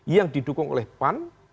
yang didukung oleh pan